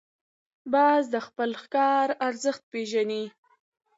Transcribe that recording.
باز د خپل ښکار ارزښت پېژني